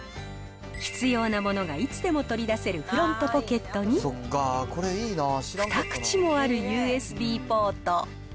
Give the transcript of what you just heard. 必要なものがいつでも取り出せるフロントポケットに、２口もあるＵＳＢポート。